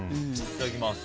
いただきます。